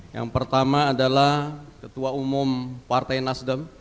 yang pertama adalah ketua umum partai nasdem